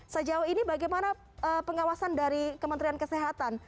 sejauh ini bagaimana pengawasan dari kementerian kesehatan